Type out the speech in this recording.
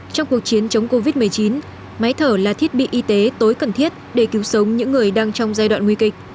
trong cuộc chiến chống covid một mươi chín máy thở là thiết bị y tế tối cần thiết để cứu sống những người đang trong giai đoạn nguy kịch